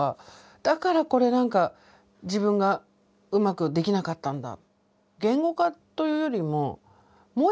「だからこれ何か自分がうまくできなかったんだ」。